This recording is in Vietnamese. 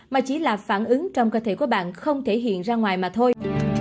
mà chỉ là phản ứng trong cơ thể của bạn không thể hiện ra ngoài mà thôi